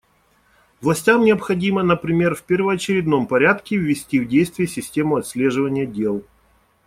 Властям необходимо, например, в первоочередном порядке ввести в действие систему отслеживания дел.